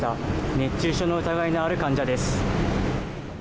熱中症の疑いのある患者です。